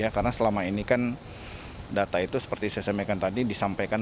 karena selama ini kan data itu seperti saya sampaikan tadi disampaikan